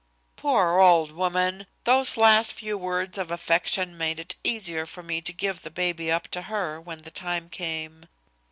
"Poor old woman. Those last few words of affection made it easier for me to give the baby up to her when the time came.